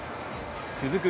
続く